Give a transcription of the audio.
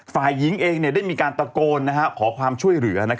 ฝ่ายหญิงเองได้มีการตะโกนขอความช่วยเหลือ